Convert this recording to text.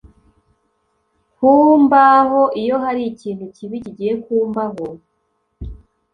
kumbaho iyo hari ikintu kibi kigiye kumbaho